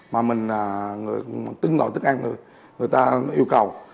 mà từng loại thức ăn người ta yêu cầu